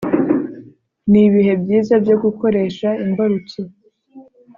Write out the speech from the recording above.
ni ibihe byiza byo gukoresha imbarutso